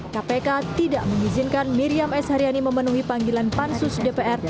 kpk tidak mengizinkan miriam s haryani memenuhi panggilan pansus dpr